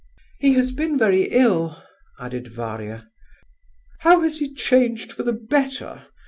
"He has been very ill," added Varia. "How has he changed for the better?"